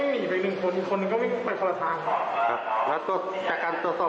มึงต้นก็จับพูดหาได้หนึ่งคนเป็นคนช้อนครับ